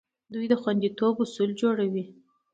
دوی د خوندیتوب اصول جوړوي.